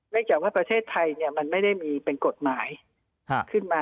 จากว่าประเทศไทยมันไม่ได้มีเป็นกฎหมายขึ้นมา